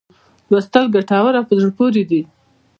لوستل ګټور او په زړه پوري دي.